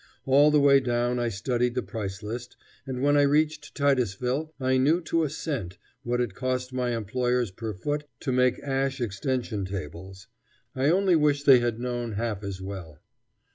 All the way down I studied the price list, and when I reached Titusville I knew to a cent what it cost my employers per foot to make ash extension tables. I only wish they had known half as well.